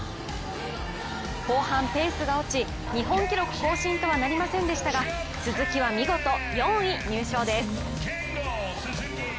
後半ペースが落ち、日本記録更新とはなりませんでしたが鈴木は見事４位入賞です。